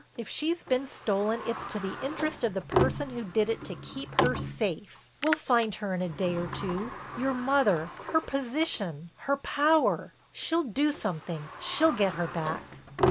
If she's been stolen it's to the interest of the person who did it to keep her safe. We'll find her in a day or two. Your mother, her position, her power—she'll do something, she'll get her back."